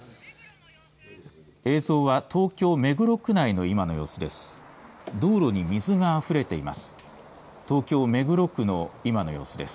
映像は東京目黒区内の今の様子です。